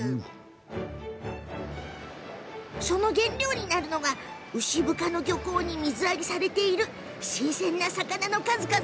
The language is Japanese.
その原料になるのが牛深の漁港に水揚げされている新鮮な魚。